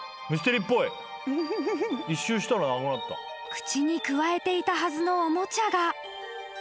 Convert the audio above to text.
［口にくわえていたはずのおもちゃが］